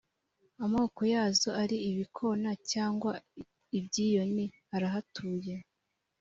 amoko yazo ari ibikona cyangwa ibyiyoni arahatuye